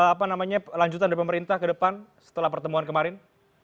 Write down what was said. apa namanya lanjutan dari pemerintah ke depan setelah pertemuan kemarin